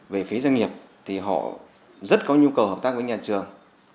về phí doanh nghiệp thì họ rất có nhu cầu hợp tác với nhà trường